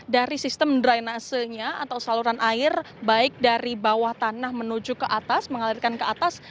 dari sistem drainasenya atau saluran air baik dari bawah tanah menuju ke atas mengalirkan ke atas